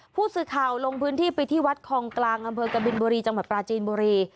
ผู้สื่อข่าวลงพื้นที่ไปที่วัดคลองกลางบกบินบุรีจปราจีนบุรี